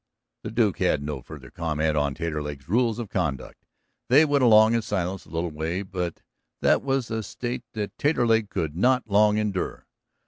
The Duke had no further comment on Taterleg's rules of conduct. They went along in silence a little way, but that was a state that Taterleg could not long endure.